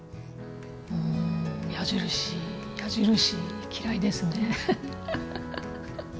うん矢印矢印嫌いですね。